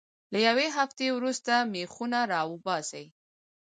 له یوې هفتې وروسته میخونه را وباسئ.